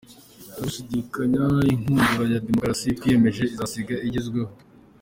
Ntagushidikanya inkundura ya demukarasi twiyemeje izasiga igezweho